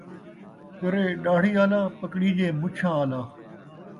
کرے ݙاڑھی آلا ، پکڑیجے مُچھاں آلا